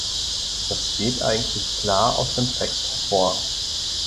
Das geht eigentlich klar aus dem Text hervor.